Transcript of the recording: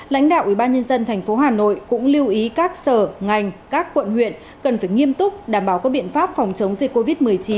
lãnh đạo ubnd tp hà nội cũng lưu ý các sở ngành các quận huyện cần phải nghiêm túc đảm bảo các biện pháp phòng chống dịch covid một mươi chín